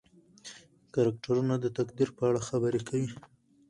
کرکټرونه د تقدیر په اړه خبرې کوي.